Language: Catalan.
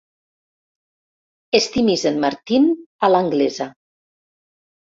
Estimis en Martin a l'anglesa.